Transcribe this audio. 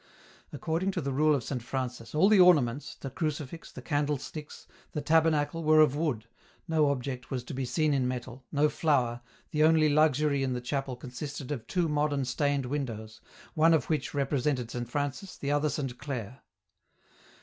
According to the rule of Saint Francis, all the ornaments, the crucifix, the candlesticks, the tabernacle, were of wood, no object was to be seen in metal, no flower, the only luxury in the chapel consisted of two modern stained windows, one of which represented Saint Francis, the other Saint Clare.